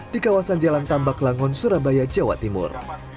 di kawasan jalan tambak langon surabaya jawa timur